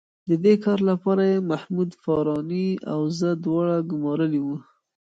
د دې کار لپاره یې محمود فاراني او زه دواړه ګومارلي وو.